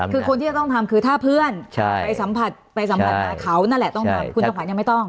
คือคนที่จะต้องทำคือถ้าเพื่อนไปสัมผัสไปสัมผัสมาเขานั่นแหละคุณจำขวัญยังไม่ต้อง